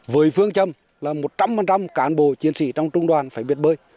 với phương châm là một trăm linh cán bộ chiến sĩ trong trung đoàn phải biết bơi